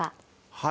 はい。